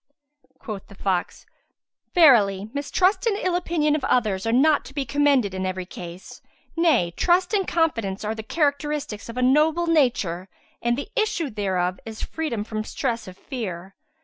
'" Quoth the fox, "Verily mistrust and ill opinion of others are not to be commended in every case; nay trust and confidence are the characteristics of a noble nature and the issue thereof is freedom from stress of fear.